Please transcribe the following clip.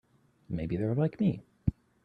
Maybe they're like me.